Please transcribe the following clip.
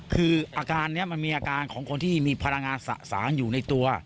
คืออาการนี้มันมีอาการของคนที่มีพลังงานสะสางอยู่ในตัว